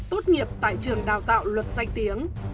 tốt nghiệp tại trường đào tạo luật danh tiếng